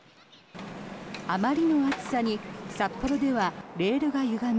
あまりの暑さに札幌ではレールがゆがみ